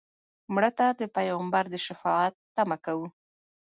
مړه ته د پیغمبر د شفاعت تمه کوو